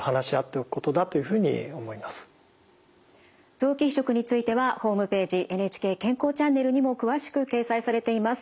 臓器移植についてはホームページ「ＮＨＫ健康チャンネル」にも詳しく掲載されています。